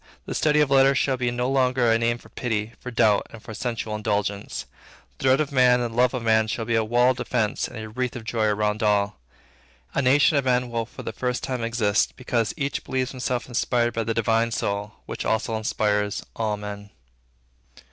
The study of letters shall be no longer a name for pity, for doubt, and for sensual indulgence. The dread of man and the love of man shall be a wall of defence and a wreath of joy around all. A nation of men will for the first time exist, because each believes himself inspired by the Divine Soul which also inspires all men.